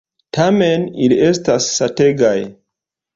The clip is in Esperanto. Tamen, ili estas sategaj.